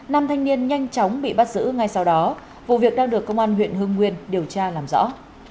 nam thanh niên nhanh chóng bị bắt giữ ngay sau đó vụ việc đang được công an huyện hương nguyên điều tra làm rõ